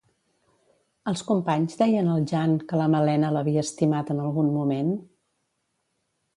Els companys deien al Jan que la Malena l'havia estimat en algun moment?